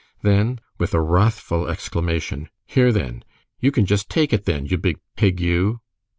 Then, with a wrathful exclamation, "Here, then, you can just take it then, you big pig, you!"